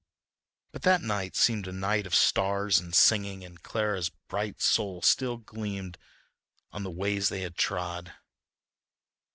But that night seemed a night of stars and singing and Clara's bright soul still gleamed on the ways they had trod.